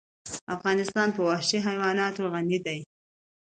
افغانستان په وحشي حیوانات غني دی.